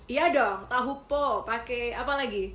iya dong tahupo pakai apa lagi